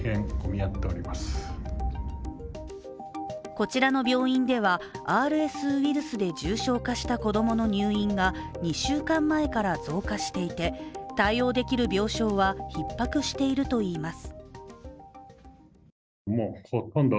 こちらの病院ではＲＳウイルスで重症化した子供の入院が２週間前から増加していて、対応できる病床はひっ迫しているといいます。